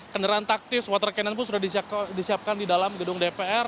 kendaraan taktis water cannon pun sudah disiapkan di dalam gedung dpr